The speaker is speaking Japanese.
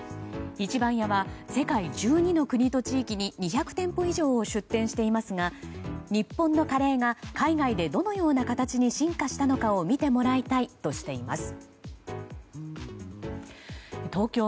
壱番屋は世界１２の国と地域に２００店舗以上を出店していますが日本のカレーが海外でどのような形に進化したのかを見てもらいたいとしています。